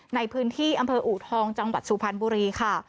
ในพื้นที่อำเภออูทองจังหวัดสุพรรณบุรีค่ะ